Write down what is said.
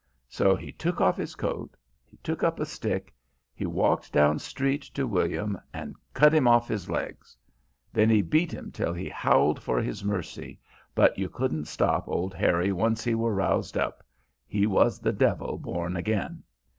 So he took off his coat, he took up a stick, he walked down street to William and cut him off his legs. Then he beat him till he howled for his mercy, but you couldn't stop old Harry once he were roused up he was the devil born again.